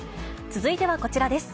続いてはこちらです。